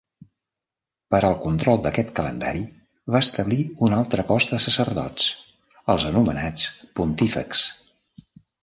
Per al control d'aquest calendari va establir un altre cos de sacerdots, els anomenats pontífexs.